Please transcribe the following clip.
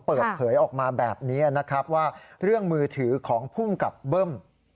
เปิดเผยออกมาแบบนี้นะครับว่าเรื่องมือถือของภูมิกับเบิ้ม